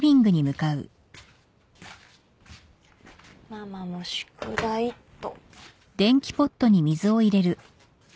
ママも宿題っと。